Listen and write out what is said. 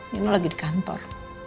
nino lagi di kantor